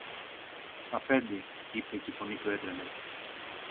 Αφέντη, είπε και η φωνή του έτρεμε